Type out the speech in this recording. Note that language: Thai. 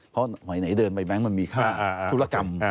เพราะไหนเดินไปแบงค์มันมีค่าธุรกรรม